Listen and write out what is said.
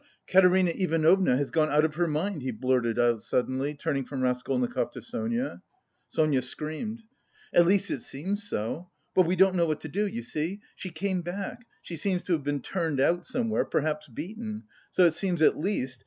Katerina Ivanovna has gone out of her mind," he blurted out suddenly, turning from Raskolnikov to Sonia. Sonia screamed. "At least it seems so. But... we don't know what to do, you see! She came back she seems to have been turned out somewhere, perhaps beaten.... So it seems at least